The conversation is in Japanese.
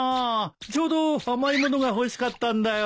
ちょうど甘い物が欲しかったんだよ。